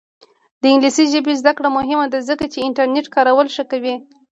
د انګلیسي ژبې زده کړه مهمه ده ځکه چې انټرنیټ کارول ښه کوي.